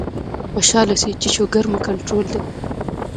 خوشاله شئ چې شوګر مو کنټرول دے